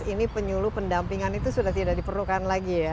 ini penyuluh pendampingan itu sudah tidak diperlukan lagi ya